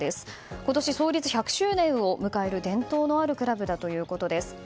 今年創立１００周年を迎える伝統あるクラブです。